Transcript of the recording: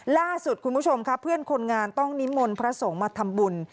ล่าสุดคุณผู้ชมค่ะเพื่อนคนงานต้องนิมนต์พระสงฆ์มาทำบุญ